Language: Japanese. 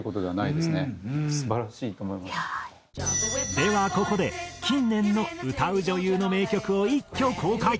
ではここで近年の歌う女優の名曲を一挙公開。